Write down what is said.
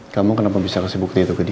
kamu kenapa bisa kasih bukti itu ke dia